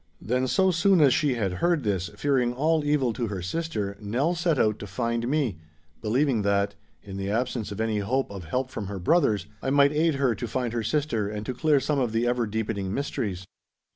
Then so soon as she had heard this, fearing all evil to her sister, Nell set out to find me—believing that, in the absence of any hope of help from her brothers, I might aid her to find her sister and to clear some of the ever deepening mysteries.